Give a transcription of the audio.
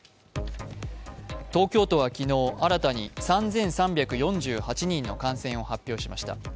東京都は昨日、新たに３３４８人の感染を発表しました。